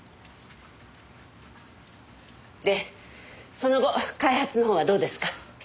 でその後開発のほうはどうですか？